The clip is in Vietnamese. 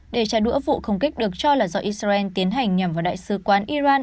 để trả đũa vụ không kích được cho là do israel tiến hành nhằm vào đại sứ quán iran